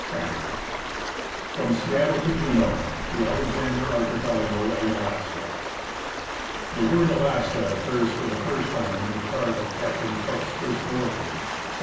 14 CHAPTER II From Seattle to Juneau — The Alexander Archi pelago and Alaska ' T ^HE word "Alaska" occurs for the first time in the chart of Captain Cook's first voyage (1778).